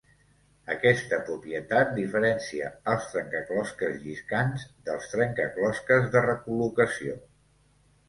Aquesta propietat diferencia els trencaclosques lliscants dels trencaclosques de recol·locació.